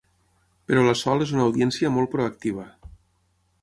Però la Sol és una audiència molt proactiva.